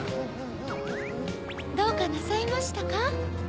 どうかなさいましたか？